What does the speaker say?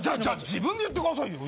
自分で言ってくださいよ！